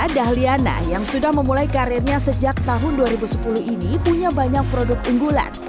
dahliana yang sudah memulai karirnya sejak tahun dua ribu sepuluh ini punya banyak produk unggulan